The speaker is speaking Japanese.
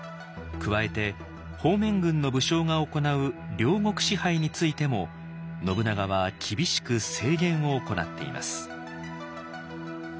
加えて方面軍の武将が行う領国支配についても信長は厳しく制限を行っています。